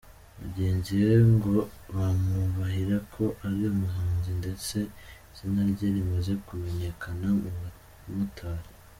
Bagenzi be ngo bamwubahira ko ari umuhanzi ndetse izina rye rimaze kumenyekana mu bamotari.